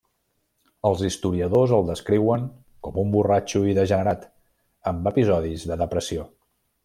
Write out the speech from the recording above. Els historiadors el descriuen com un borratxo i degenerat, amb episodis de depressió.